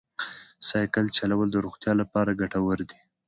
سایکل چلول د روغتیا لپاره ګټور دی.